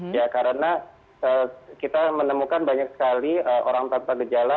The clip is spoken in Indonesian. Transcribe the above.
ya karena kita menemukan banyak sekali orang tanpa gejala